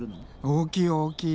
大きい大きい。